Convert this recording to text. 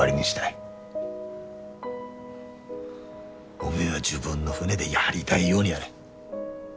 おめえは自分の船でやりだいようにやれ。